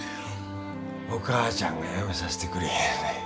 お母ちゃんがやめさせてくれへんねん。